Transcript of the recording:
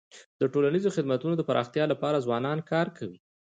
د ټولنیزو خدمتونو د پراختیا لپاره ځوانان کار کوي.